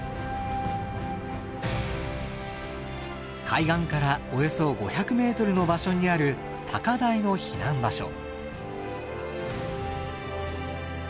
海岸からおよそ５００ｍの場所にある高台の避難場所。